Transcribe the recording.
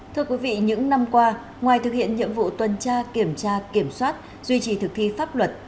thưa quý vị những năm qua ngoài thực hiện nhiệm vụ tuần tra kiểm tra kiểm soát duy trì thực thi pháp luật